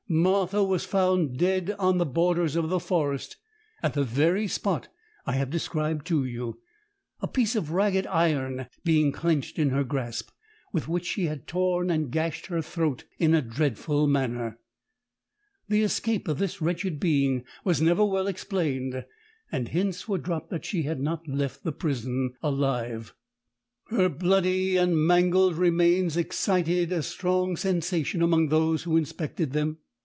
Martha was found dead on the borders of the forest, at the very spot I have described to you, a piece of ragged iron being clenched in her grasp, with which she had torn and gashed her throat in a dreadful manner. The escape of this wretched being was never well explained, and hints were dropped that she had not left the prison alive. Her bloody and mangled remains excited a strong sensation among those who inspected them.